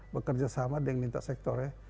bekerja sama dengan lintas sektornya